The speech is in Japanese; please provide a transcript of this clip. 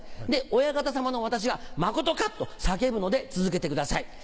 お屋形さまの私が「まことか？」と叫ぶので続けてください。